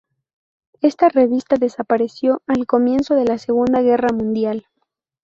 Esta revista desapareció al comienzo de la Segunda Guerra Mundial.